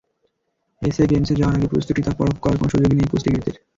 SA গেমসে যাওয়ার আগে প্রস্তুতিটা পরখ করার কোনো সুযোগই নেই কুস্তিগিরদের।